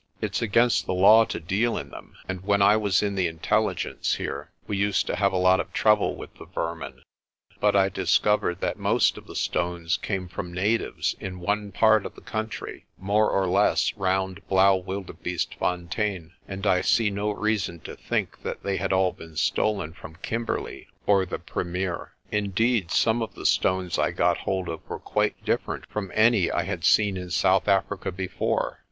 It's against the law to deal in them, and when I was in the Intelligence here we used to have a lot of trouble with the vermin. But 40 PRESTER JOHN I discovered that most of the stones came from natives in one part of the country more or less round Blaauwilde beestefontein and I see no reason to think that they had all been stolen from Kimberley or the Premier. Indeed some of the stones I got hold of were quite different from any I had seen in South Africa before.